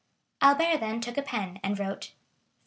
Albert then took a pen, and wrote: Frs.